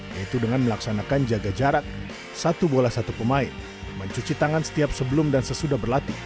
yaitu dengan melaksanakan jaga jarak satu bola satu pemain mencuci tangan setiap sebelum dan sesudah berlatih